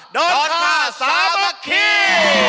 ดอนคาสามะขี่